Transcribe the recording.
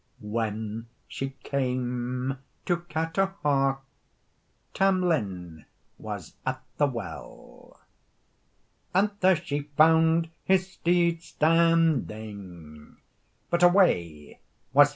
When she came to Carterhaugh Tam Lin was at the well, And there she fand his steed standing, But away was himsel.